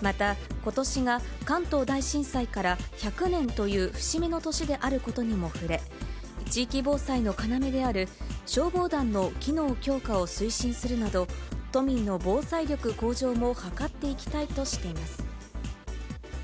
また、ことしが関東大震災から１００年という節目の年であることにも触れ、地域防災の要である消防団の機能強化を推進するなど、都民の防災力向上も図っていきたいとしています。